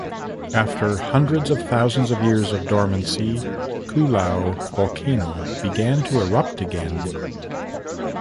After hundreds of thousands of years of dormancy, Koolau volcano began to erupt again.